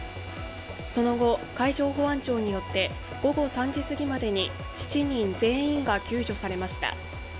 その後、海上保安庁によって午後３時すぎまでに７人全員が救助されました。